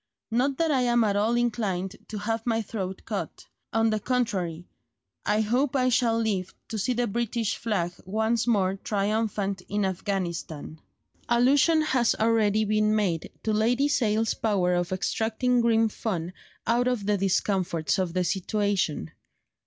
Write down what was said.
Not that I am at all inclined to have my throat cut; on the contrary, I hope I shall live to see the British flag once more triumphant in Afghanistan." Allusion has already been made to Lady Sale's power of extracting grim fun out of the discomforts of the situation.